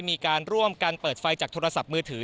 มีการร่วมกันเปิดไฟจากโทรศัพท์มือถือ